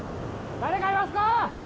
誰かいますか？